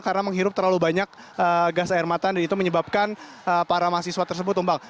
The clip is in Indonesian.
karena menghirup terlalu banyak gas air mata dan itu menyebabkan para mahasiswa tersebut tumbang